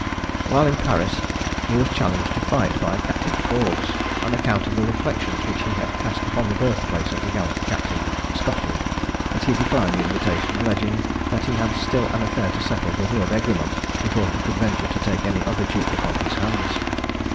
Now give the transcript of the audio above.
While in Paris, he was challenged to fight by a Captain Forbes, on account of the reflections which he had cast upon the birthplace of the gallant captain, Scotland; but he declined the invitation, alleging that he had still an affair to settle with Lord Egremont before he could venture to take any other duel upon his hands.